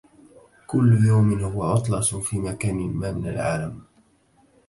كل يوم هو عطلة في مكان ما من العالم.